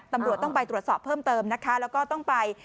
ตำรวจต้องไปตรวจสอบเพิ่มเติมนะคะแล้วก็ต้องไป